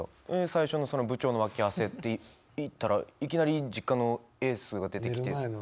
最初の「部長の脇汗」って言ったらいきなり「実家のエース」が出てきて。